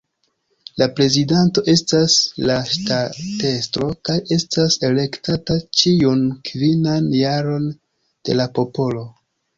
La prezidanto estas la ŝtatestro kaj estas elektata ĉiun kvinan jaron de la popolo.